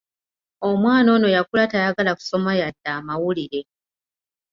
Omwana ono yakula tayagala kusoma yadde amawulire.